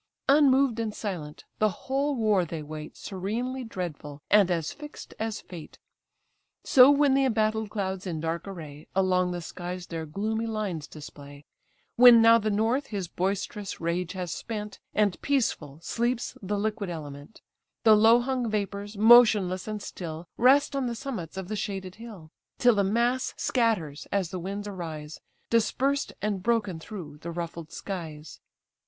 Unmoved and silent, the whole war they wait Serenely dreadful, and as fix'd as fate. So when the embattled clouds in dark array, Along the skies their gloomy lines display; When now the North his boisterous rage has spent, And peaceful sleeps the liquid element: The low hung vapours, motionless and still, Rest on the summits of the shaded hill; Till the mass scatters as the winds arise, Dispersed and broken through the ruffled skies.